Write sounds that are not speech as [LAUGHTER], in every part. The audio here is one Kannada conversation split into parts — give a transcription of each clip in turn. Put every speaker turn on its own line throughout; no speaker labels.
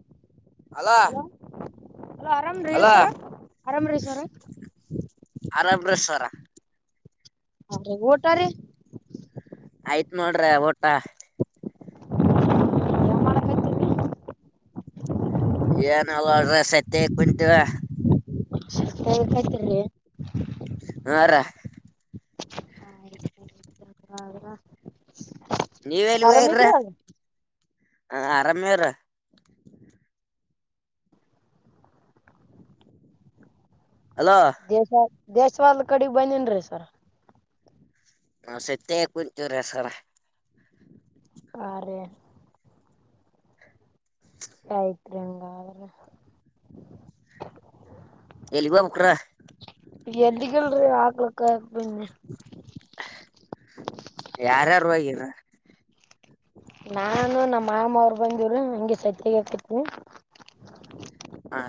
[INAUDIBLE] ಹಲೋ ಹಲೋ ಆರಾಮ್ ರೀ
ಹಲೋ
ಸರ ಆರಾಮ್ ರೀ ಸರ
ಆರಾಮ್ರೀಸರ
ಹ್ರ ಊಟ ರೀ.
ಆಯ್ತ್ ನೋಡ್ರಿ ಊಟ.
ಏನ್ ಮಾಡಕತ್ತೀರಿ
ಏನ ಅಲಡ್ರ ಸತ್ತ ಕುಂತೀವ
ಹ ಕಾಯತರಿ
ಹಾ ಅ್ರ
ಹಾ.
ನೀವ ಎಲ್ಲಿಗ ಇರ್ರ ಆರಾಮೇವ್ರ. ಹಲೋ
ದೇಶ ದೇಶವಾಲ ಕಡಿಗಿ ಬಂದನ್ ರೀ ಸರ್
ಹ ಸತ್ತ ಕು ಚುರ ಸರ
ಆರೆ ಯ್ತ್ ಹಂಗಾದ್ರ
ಎಲ್ಲಿಗ ಹೋಗಬೆಕರ
ಎದ್ದಗಲ್ರಿ ಹಾಕ್ಲಕ್ಕ ಬಂನ್ನೆ
ಯಾರಾರು ಹೋಗೀರ
ನಾನು ನಮ್ಮ ಮಾಮ ಅವರು ಬಂದವರು ಹಂಗೆ ಸತ್ಯಾಗ ಹಾಕತಿವಿ.
ಆ.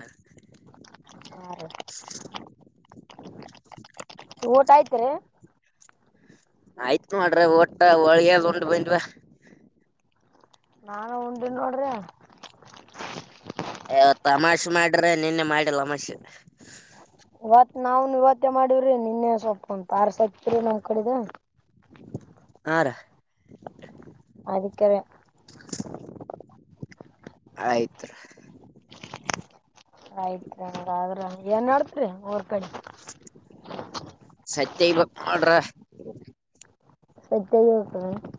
ಹಾ ರ
[UNINTELLIGIBLE]
ಊಟ ಆಯ್ತ್ರಿ.
ಆಯ್ತ್ ನೋಡ್ರಿ ಊಟ ಹೊಳಗೆಲ್ ಉಂಡ್ ಬಂದ್ವಾ.
ನಾನು ಉಂಡಿನ ನೋಡ್ರಿ.
ಯ ಅಮಾಷೆ ಮಾಡ್ರೆ ನಿನ್ನೆ ಮಾಡಿ ಅಮಾಷೆ
ಇವತ್ ನಾವವು ಇವತ್ತೇ ಮಾಡಿವವ್ರಿ ನಿನ್ನೆ ಸ್ವಪ ಒ ಪಾರ್ಸ್ ಹತಿರಿ ನಮ್ ಕಡಿದ
ಆ ರೀ
ಅದಕ್ಕರ
ಆಯ್ತ್.
ಆಯ್ತ್ರಿರ ಏನ್ ಮಾಡಡ್ತ್ ಊರ್ ಕಡೆ.
ಸತ್ಯಐ ಬಕ್ ಮಾಡ್ರ.
[UNINTELLIGIBLE]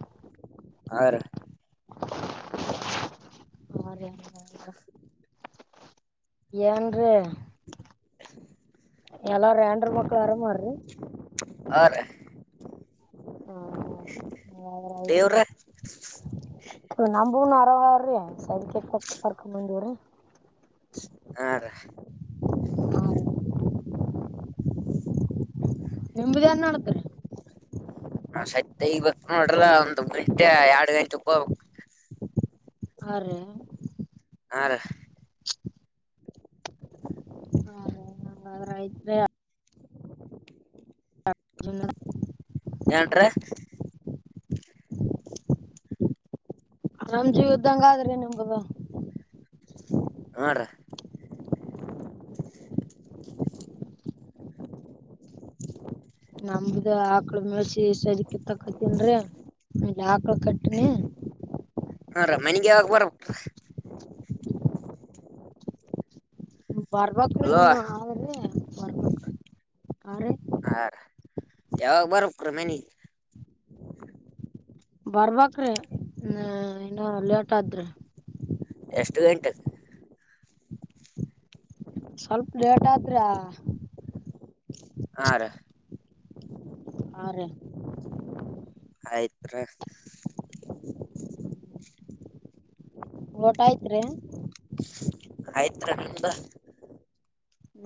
ಆ ರೀ
ಹ ಎನ್ರೀ
[UNINTELLIGIBLE]
ಎಲ್ಲಾರು ಹೆಂಡರು ಮಕ್ಳ ಆರಾಮಾರ್ರಿ
ಹ
ಹ್ಮ್ ಹ್ಮ್ ಹಾಗಾದ್ರ
ದೇವ್ರ
ಆಯ್ತ್ರಿ ನಮೂನು ಹೊರವ ಅವ್ರೀ ಸೈದಕ್ಕೆ ಪ ಪರ್ಕ ಬಂದೀವ್ರೀ
ಆ ರೇ
ನಿಮ್ದ ಏನ್ ನೋಡತ್ರರಿ
ನಾ ಸತ್ತ ಇಬೇಕ ನೋಡ್ರ ಒಂದ್ ಗಂಟೆ ಎರಡ್ ಗಂಟೆ
ಹ ರೀ
ಹಾ ರ
[UNINTELLIGIBLE] ಹದ ನಂಗಾದ್ರ ಯತ್ ಹ
ಏನ್ರೀ
ರಾಮ್ಜೀ ಇದದ್ದಂಗ ಆದ್ರೆ ನಿಮಗಗ
ಹಾರ
ನಮ್ದ ಆಕಳು ಮೆಳ್ಸಿ ಸರಿಕ ತಕತನ್ರಿ ಇ ಆಕಳ ಕಟ್ಟ ನ
ಹಾ ರ ಮನಿಗೆ ಆಗ ಬರ
ಬರ್ಬೇಕ್ರ
ಅಲೋ
ಇನ್ನು ಆದ್ರೆ ಬರ್ಬೇಕ್ರ
ಹಾ ರ ಯಾವಾಗ ಬರಕ್ ರೀ ಮನೆ
ಬರ್ಬಕ್ ಹ ಇನ್ನು ಲೇಟ್ ಆದ್ರಿ
ಎಷ್ಟು ಗಂಟೆ
ಸ್ವಲ್ಪ ಲೇಟ್ ಆದ್ರ
ಹಾ ರ
ಹಾ ರೀ
ಆಯ್ತ್ ರ ಹ
ಊಟಾಯತ್ ರೀ
[UNINTELLIGIBLE]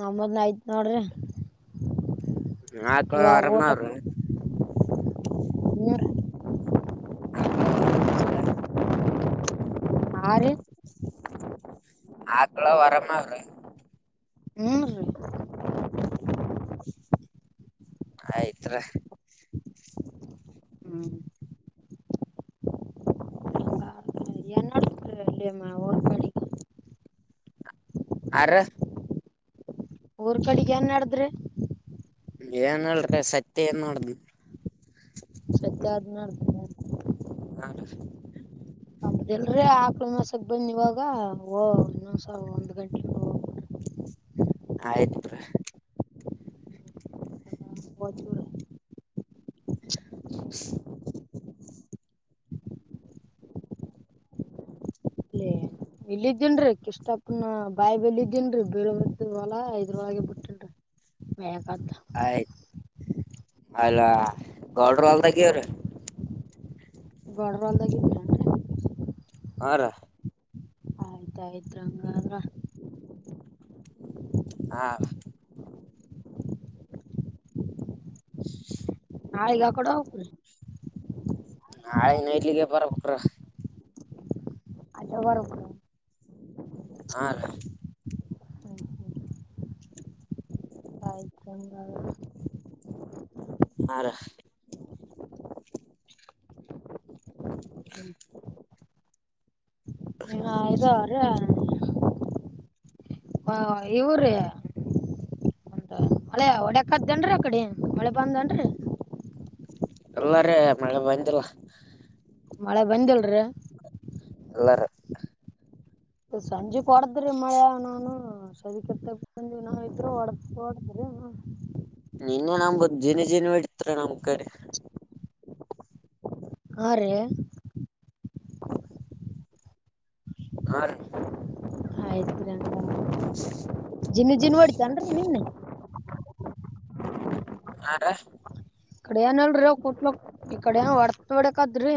ನಮದ್ನ ಆಯ್ತ್ ನೋಡ್ರಿ
ಆಕ
ಇವಾಗ
ಅರಮನ ಅವ್ರ
ಹರ್
ಹ
ಆ ರೀ
ಆಕ್ಳ ವರಾಮ ಅವ್ರೀ
ಹೂನ್
ಆಯ್ತ್ರ
ಹ್ಮ್
[UNINTELLIGIBLE]
ಅ ಮಾವ
ಆರೆ
ಊರ್ ಕಡೆಗ್ ಏನ್ ನಡದ್ರೆ
ಏನಿಲ್ಲ ಸತ್ಯ ನೋಡಿದರೆ
ಸತ್ಯ ಆದ ನ ಅರ್ತ
ಹಾ
ಹೌದೆಲ್ರ ಆಕಳ ಮಾಸಕ್ ಬಂದ್ ಇವಾಗ ಓ ಇನ್ನೊ್ಸ ಒಂದ್ ಗಂಟೆ
ಆಯ್ತ್
ಹೋಗ್ತೀವ್ರಿ
[UNINTELLIGIBLE] [UNINTELLIGIBLE]
ಇಲ್ಲಿದ್ದೇನ್ರರಿ ಕಷ್ಟಪ್ನ ಬಾಯಿ ಬಲ್ದ್ದೇನ್ರರಿ ಬೇರವ ಐದ್ ಒಳ ಐದ್ರ ಒಳಗೆ ಬಿಟ್ಟೇನ್ರಿ ಬೇಕ್ಂತ
ಅಲ್ಲಾ ಗೌಡ್ರು ಗೆರೆ
ಗಡ್ರಲ್ದಾಗಿದ್ದೀರರಿ
ಹಾರಾ
[UNINTELLIGIBLE] ಹಂಗಾಗ
ಹಾ [INAUDIBLE]
ಹಾಕಿ ಕೊಡೊ
ನಾಳೆ ಇಲ್ಲಿಗೆ ಬರಬೇಕಟ್ರ
[UNINTELLIGIBLE]
ಹಾ
ಆಯ್ತ್ ಹಂಗಾದ್ರ
ಹಾರೀ
ಏನ ಇದು
[INAUDIBLE]
ರೀ ಹಾ ಇವ್ರೀ ಮಳಿ ಹೊಡೆಕಾದಂನ್ರೀ ಅಕಡೆ ಮಳೆ ಬಂದೇನ್ರಿ
ಇಲ್ಲಾರಿ ಮಳೆ ಬಂದಿಲ್ಲ
ಮಳೆ ಬಂದಿಲ್ರಿ
ಇಲ್ಲರೀ
ಸಂಜೆ ಕೊಡದ್ರಿ ಮಳೆ ನಾನು [UNINTELLIGIBLE]
ನಿನ್ನೆ ನಮಗೆ ಒಂದು ಜಿನಿ ಜಿನಿ ಇಡ್ತೀ ನಮ್ಮ ಕಡೆ
ಹಾ ರೀ
[INAUDIBLE] ಹಾ ರೀ
ಆಯ್ತ್ರಿರೀ ಜಿನಿ ಜಿನಿ ಹೊಡಿತೆನ್ರರಿ ನಿನ್ನೆ
ಹಾ ರೀ
ಈ ಕಡೆ ಏನಲ್ರೀ ಕುಟ್ಲಕ್ ಈ ಕಡ ಏನ್ ಹೊರ್ತ ಒಡಕ್ದ್ರೀ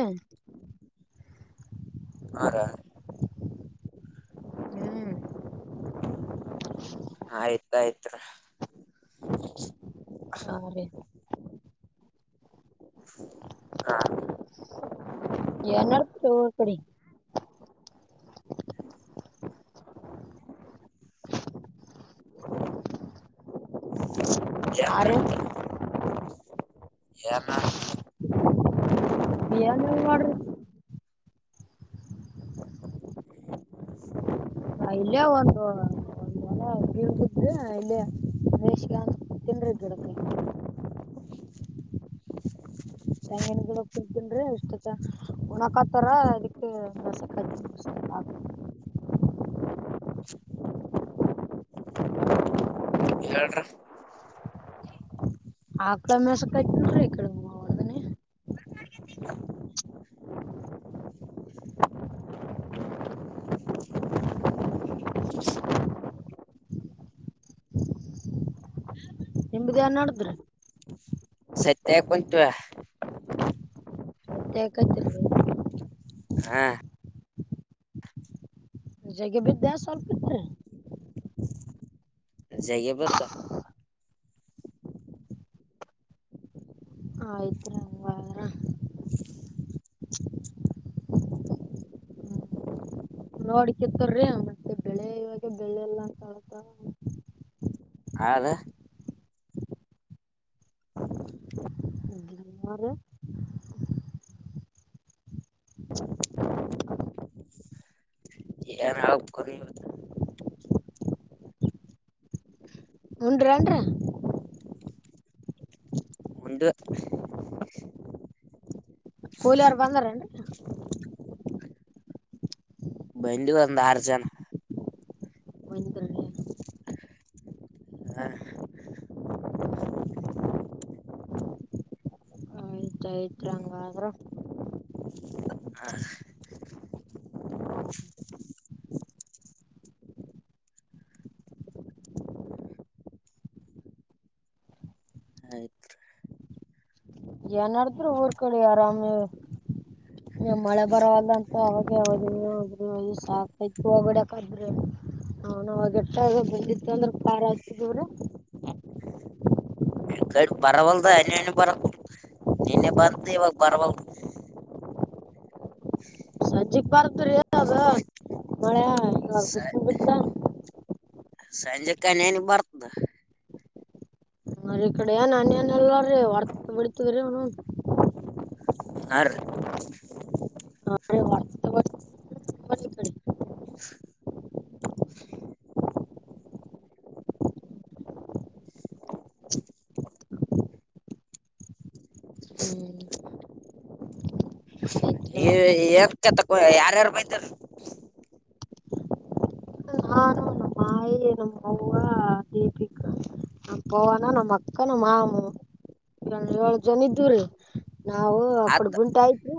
ಹಾ ರೀ
ಹ್ಮ್
ಆಯ್ತ ಆಯ್ತು
ಹ ರೀ
ಹಾ
ಏನಾರು [UNINTELLIGIBLE] ಆರ್ಯ
[UNINTELLIGIBLE] ಏನ್ ಆಡರೀ
ಏನಿಲ್ಲ ನೋಡ್ರಿ ಇಲ್ಲೇ ಒಂದು [UNINTELLIGIBLE] ತೆಂಗಿನ ಗಿಡಕ್ಕ ಇದ್ದನ್ ಇಷ್ಟತ್ತ ಉಣಕಾತಾರ [UNINTELLIGIBLE] ಆ
ಹೇಳ್ರಿ
[UNINTELLIGIBLE]
[INAUDIBLE] [INAUDIBLE]
ನಿಮ್ದು ಏನ್ ನೆಡದ್ರಿ
[UNINTELLIGIBLE]
ಮತ್ಕೇತ್ರಿ
ಹಾ
ಜಗೆ ಬಿದ್ದೆ ಸ್ವಲ್ಪ ಇತ್ತು
ಜೈ ಬತ್ತಾ
ಆಯ್ತ್. ನೋಡ್ಕತ್ತರ್ರಿ ಮತ್ತೆ ಬೆಳೆ ಇವಾಗ ಬೆಳೆ ಎಲ್ಲ ಅ ತಳತ.
ಆ.
ನ್ರ.
[UNINTELLIGIBLE] ಏನ ಆ ಕ
ಹನ್ರನ್ರಾ
ಮುಂದ
ಕೂಲಿಯಾರರು ಬಂದಾರೇ
[UNINTELLIGIBLE] ಬ ಬಧ ಆರ್ಜ
ಒಂದು
ಹಾ
ಯತ್ ಹಂಗಾದ್ರ
ಹ ಆಯ್ತು
ಏನಡತರ ಊರ್ ಕಡೆ ಆರಾಮೇ ನೀ ಮಳೆ ಬರಲ್ಲ ಅಂತ ಅವಾಗ ಯಾವದ್ರಿದ್ರಿ ಸಾಕತ್ ಹೋಗಬಿಡಕಾದ್ರಿ ಹ ನಾವ ಎಟ್ಟ ಬಂದಿತ್ತು ಅಂದ್ರೆ ಖಾರ ಆತಿದಡ
ಕ ಬರವಲ್ದ ಅಣಣ ಬರ ನಿನ್ನೆ ಬಂತ ಇವಾಗ ಬರವಲ್
ಸಜ್ಜಿಕ್ ಬರ್ತ್ ರೀದು ಮಳೆ ಇ ಬಿಸಕೊಂಡ ಬತ್ತ
ಸಂಜೆ ಕನ್ನ ಬರ್ತದ
ನ್ರ ಈ ಕಡೆಏನ್ನ್ಎಲ್ಲ ರೀ ಹೊರ್ತ ಬಿಡ್ತವಿರೀ ಅವ
ಆ
ಹೊಡ್ತ ಬಿಡ್ತ ಈ ಕಡೆ ಹ್ಮ್ ಆಯ್ತ್ರಿ
ಈ
ಹಂಗಾದ್ರ
ಎತತಕ್ಕ ಯಾರ್ಯಾರು ಬೈತಾರ
ಅ ನಮ್ ಮೌವ ಪಿಕ ಪವನ ನಮ್ಮ್ ಅಕ್ಕನ ಮಾಮ ಏಳು ಜನ ಇದು ರೀ ನಾವು ಅಕಡೆ
ಆತ್
ಗುಂಟ ಆಯ್ತ್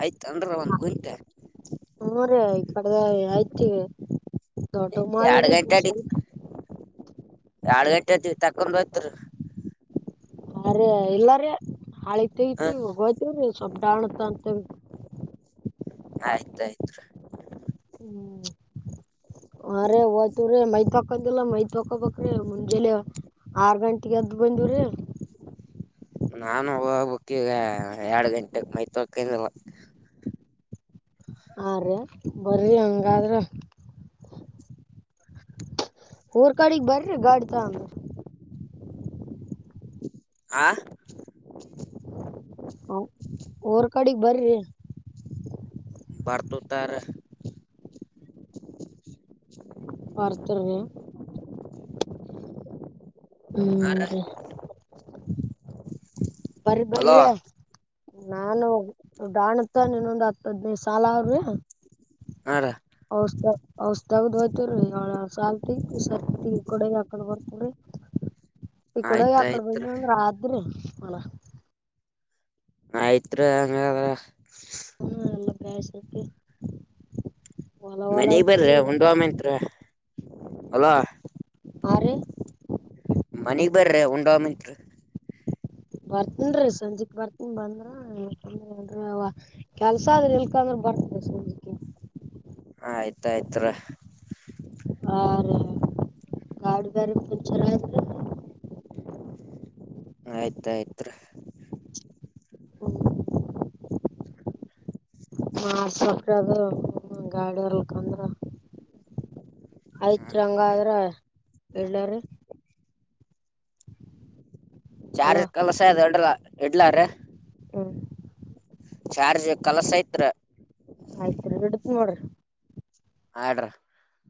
ಆಯ್ತ ಅಂದ್ರ ಒಂದ್ ಗುಂಟೆ
ಹೂ ರೇ ಈ ಕಡೆದ ಆಯ್ತಿವಿ
ಎರಡ್ ಗಂಟೆ ಅಡಿ ಎರಡ್ ಗಂಟೆ ಅ ತಕೊಂಡ್ ಹತ
ಅ ಇಲ್ಲ ರೀ
ಹ
ಹಾತಗತಿ ಹಗೋತವ್ರೀ ಸ್ವಬ್ ಡಾನ್ತ್ ಅಂತವಿ
ಆಯ್ತಾಯ್ತ್
ಹ್ಮ್ ಹ ರೇ ಹೋಯ್ತರೀ ಮೈತ್ ಹಾಕಂತಿಲ್ಲ ಮೈತ್ ಹಾಕೋಬ್ರೀ ಮುಂಜೆಲಿ ಆರ್ ಗಂಟೆಗೆ ಎದ್ದ ಬಂದಿವವ್ರೀ
ನಾನು ಹೋಗ್ಬೇಕಕ್ ಈಗ ಎರಡು ಗಂಟೆ ಮೈತ ಕೊಂಡ ಕಿಂದಲ್
ಆ [UNINTELLIGIBLE] ಬರಿ ಹಂಗಾದ್ರ ಊರ್ ಕಾಡಗ್ ಬರ್ರಿ ಗಾಡಿ ತಂದು
ಆ
ಊರ್ ಕಡೆಗ್ ಬರಿ
ಬಾರತ ತಾರ
ವಾರ್ತ ಹ್ಮ್ ರೀ ಬರಿ ಬರಿ
ಅಲೋ
ನಾನು ಡಾಣತ್ ಇನೊಂದ್ ಹತ್ತ ಹದ್ನೈದು ಸಾಲ ಅವ್ರಿ
ಹಾಂ ರ
ಔಷ ಔಷಾಗದ ಹೋಯ್ತೀಳ ಸಲ್ತಿ ಸರಿ ಕೊಡೆ ಯಾಕೊಂಡ್ ಬರ್ತನ್ ಇಕಡೆ ಅಕಡೆ
ಆಯ್ತಾಯ್ತ್
ಬನ ಒಂಗ ರಾದ್ರಿ ಅವಳ
ಆಯ್ತ್ರಿ ಹಂಗ್ರ
ಅವನು ನಲ್ಲ ಪ್ರಯಾಸಕ್ಕೆ
ಮನಗ್ ಬರ್ರಿ ಉಂಡುವಾಮತ್ ಹಲೋ
ಆ ರೀ
ಮನಿಗ್ ಬರ್ರಿ ಉಂಡ್
ಬರ್ತನ್ ರ ಸಂಜೆಕ್ ಭರ್ತನ ಬಂದ್ರೂ ಕೆಲ್ಸ ಆದ್ರೆ ಇಲ್ಕಂದ್ರೆ ಬರ್ತದೆ ಸಂಜಕ್ಕೆ
ಆಯ್ತಯಯ್ತ್
ಆ ಗಾಡಿ ಬಡಿ ಚರ
ಆಯ್ತಯ್ತ್ರಿ
ಹ್ಮ್. ಮಾಡಸಕದು ಗಾಡಿ ಹಲ್ಕಂದ್ರೆ ಆಯ್ತ್ ಹಂಗಾದ್ರ ಎಳ್ಳರಿ
ಚಾರ್ಜ
ಹಲೋ
ಕೆಲಸ ಇ ಹೊಡ್ರ ಇಡ್ಲಾರ
ಹ್ಮ
ಚಾರ್ಜ್ ಕಲಸ ಐತ್
ಈಗ ನೋಡ್ರಿ
ಆಡ್ರ